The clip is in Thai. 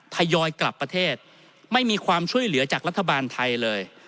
ทยอยกลับประเทศไม่มีความช่วยเหลือจากรัฐบาลไทยเลย